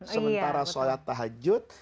sementara sholat tahajud